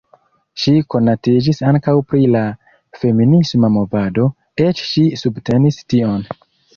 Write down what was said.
Ŝi konatiĝis ankaŭ pri la feminisma movado, eĉ ŝi subtenis tion.